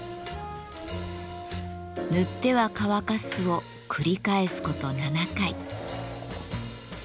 塗っては乾かすを繰り返すこと７回。